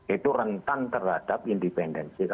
itu rentan terhadap independensi